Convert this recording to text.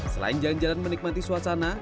selain jalan jalan menikmati suasana